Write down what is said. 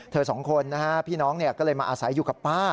สองคนนะฮะพี่น้องก็เลยมาอาศัยอยู่กับป้า